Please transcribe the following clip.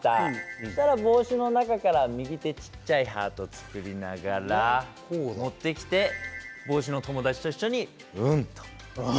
そうしたら帽子の中から右手で小っちゃいハートを作りながら持ってきて帽子の友達と一緒に、うんと。